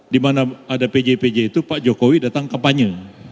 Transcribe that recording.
di mana ada pj pj itu pak jokowi datang kampanye